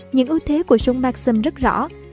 những ưu thế của súng maxim rất rõ